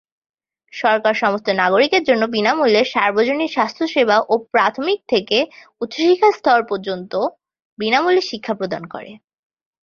সরকার সমস্ত নাগরিকের জন্য বিনামূল্যে সার্বজনীন স্বাস্থ্যসেবা ও প্রাথমিক থেকে উচ্চশিক্ষা স্তর পর্যন্ত বিনামূল্যে শিক্ষা প্রদান করে।